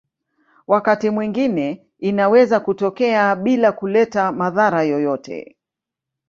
Wakati mwingine inaweza kutokea bila kuleta madhara yoyote.